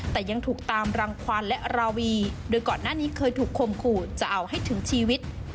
แต่ยังถูกตามรังควันและราวีโดยก่อนหน้านี้เคยถูกคมขู่จะเอาให้ถึงชีวิต